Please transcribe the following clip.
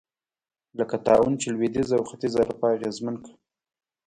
لکه طاعون چې لوېدیځه او ختیځه اروپا اغېزمن کړه.